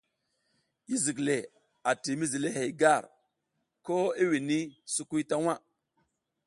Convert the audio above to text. Yi zik le a ti mizlihey gar ko i wini sukuy ta waʼ.